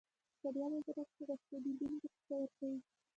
د کډوالو وزارت راستنیدونکو ته څه ورکوي؟